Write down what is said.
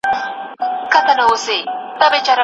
ستوني کې خارښت د مېګرین لومړنۍ نښه ده.